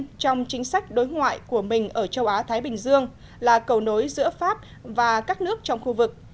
một ưu tiên trong chính sách đối ngoại của mình ở châu á thái bình dương là cầu nối giữa pháp và các nước trong khu vực